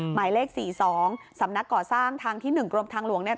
หมายเลข๔๒สำนักก่อสร้างทางที่๑กรมทางหลวงเนี่ย